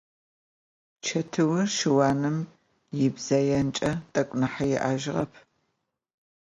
Чэтыур щыуаным ибзэенкӏэ тэкӏу нахь иӏэжьыгъэп.